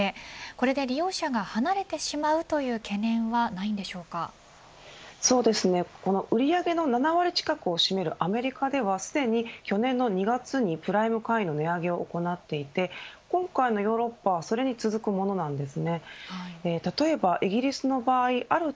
これで利用者が離れてしまうという売り上げの７割近くを占めるアメリカではすでに去年の２月にプライム会員の値上げを行っていて今回のヨーロッパはそれに続くものなんです。